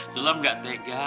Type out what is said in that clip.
sulam gak tega